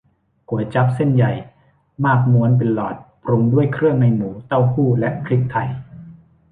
ก๋วยจั๊บ เส้นใหญ่มากม้วนเป็นหลอด ปรุงด้วยเครื่องในหมู เต้าหู้ และพริกไทย